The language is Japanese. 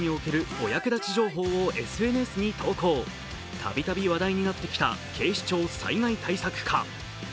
度々話題になってきた警視庁災害対策課。